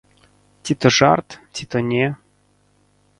Ці то жарт, ці то не.